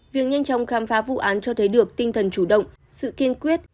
việc nhanh chóng khám phá vụ án cho thấy được tinh thần chủ động sự kiên quyết